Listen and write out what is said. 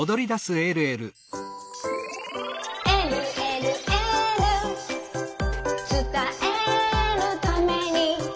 「えるえるエール」「つたえるために」